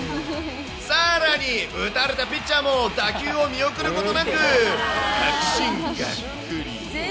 さらに、打たれたピッチャーも、打球を見送ることなく、確信がっくり。